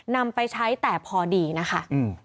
นำไปใช้แต่พอดีนะคะ